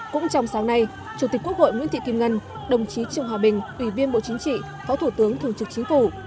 cũng trong sáng nay chủ tịch quốc hội nguyễn thị kim ngân đồng chí trương hòa bình ủy viên bộ chính trị phó thủ tướng thường trực chính phủ